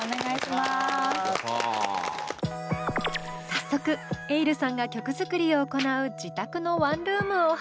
早速ｅｉｌｌさんが曲作りを行う自宅のワンルームを拝見。